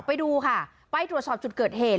ไปดูค่ะไปตรวจสอบจุดเกิดเหตุ